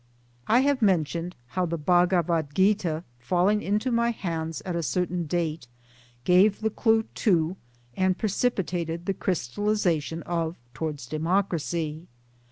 I have mentioned how the Bhagavat Gita falling into my hands at a certain date, gave the clue to and precipitated the crystalliza tion of Towards Democracy.